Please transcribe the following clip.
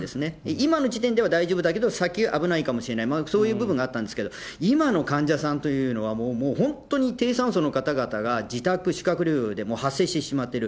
今の時点では大丈夫だけど、先、危ないかもしれない、そういう部分があったんですけれども、今の患者さんというのは、もう本当に低酸素の方々が自宅、宿泊療養で発生してしまっている。